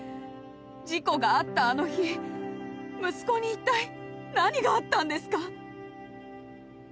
事故があったあの日息子に一体何があったんですか？